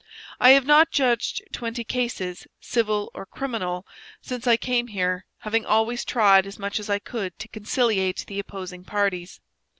I have not judged twenty cases, civil or criminal, since I came here, having always tried as much as I could to conciliate the opposing parties.